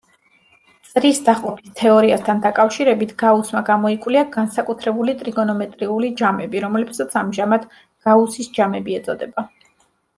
წრის დაყოფის თეორიასთან დაკავშირებით გაუსმა გამოიკვლია განსაკუთრებული ტრიგონომეტრიული ჯამები, რომლებსაც ამჟამად გაუსის ჯამები ეწოდება.